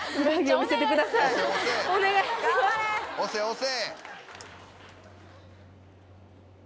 押せ押せ！